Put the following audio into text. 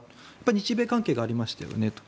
日米関係がありましたよねと。